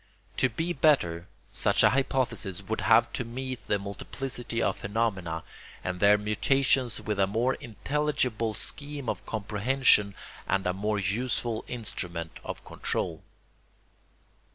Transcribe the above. To be better such a hypothesis would have to meet the multiplicity of phenomena and their mutations with a more intelligible scheme of comprehension and a more useful instrument of control.